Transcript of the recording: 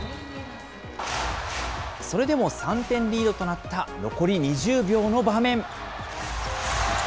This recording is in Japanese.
それでも３点リードとなった残り２０秒の場面。